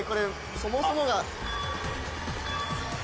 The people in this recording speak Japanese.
そもそもが。